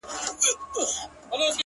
• له بي بي سره ملگري سل مينځياني,